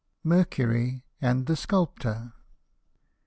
MERCURY AND THE SCULPTOR.